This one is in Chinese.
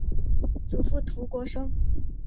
祖父涂国升。